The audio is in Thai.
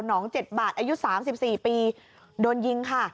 น้อง๗บาทอายุ๓๔ปีโดนยิงค่ะ